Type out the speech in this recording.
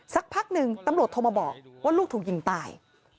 สักพักหนึ่งตำรวจโทรมาบอกว่าลูกถูกยิงตาย